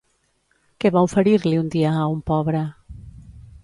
Què va oferir-li un dia a un pobre?